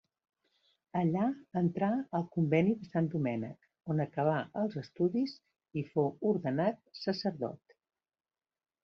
Allà entrà al convent de Sant Domènec, on acabà els estudis i fou ordenat sacerdot.